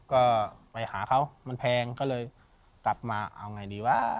ก็ไปหาเขามันแพงก็เลยกลับมาเอาไงดีวะ